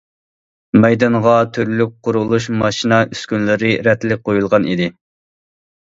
مەيدانغا تۈرلۈك قۇرۇلۇش ماشىنا ئۈسكۈنىلىرى رەتلىك قويۇلغان ئىدى.